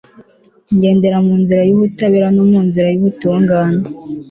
ngendera mu nzira y'ubutabera, no mu nzira y'ubutungane